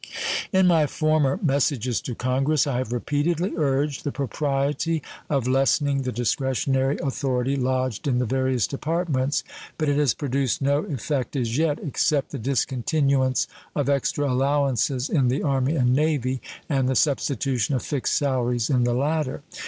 In my former messages to Congress I have repeatedly urged the propriety of lessening the discretionary authority lodged in the various Departments, but it has produced no effect as yet, except the discontinuance of extra allowances in the Army and Navy and the substitution of fixed salaries in the latter.